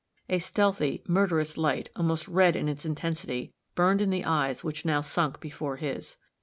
A stealthy, murderous light, almost red in its intensity, burned in the eyes which now sunk before his.